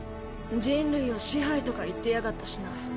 「人類を支配」とか言ってやがったしな。